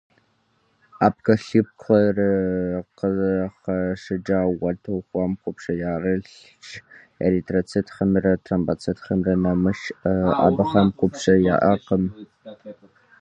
Ӏэпкълъэпкъыр къызыхэщӏыкӏа уэтэу хъуам купщӏэ ярылъщ, эритроцитхэмрэ тромбоцитхэмрэ нэмыщӏ — абыхэм купщӏэ яӏэкъым.